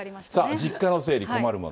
実家の整理、困るもの。